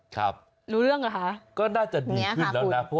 ครับรู้เรื่องเหรอคะก็น่าจะดีขึ้นแล้วนะ